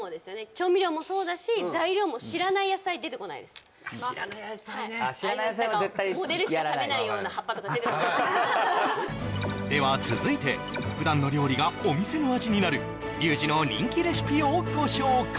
調味料もそうだし材料も知らない野菜ね知らない野菜は絶対やらないとか出てこないでは続いて普段の料理がお店の味になるリュウジの人気レシピをご紹介